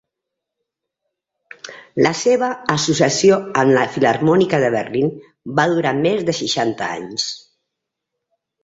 La seva associació amb la Filharmònica de Berlín va durar més de seixanta anys.